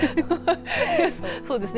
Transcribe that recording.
そうですね。